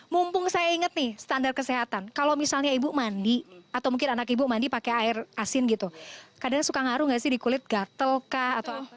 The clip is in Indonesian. mumpung saya inget nih standar kesehatan kalau misalnya ibu mandi atau mungkin anak ibu mandi pakai air asin gitu kadang suka ngaruh nggak sih di kulit gatel kah atau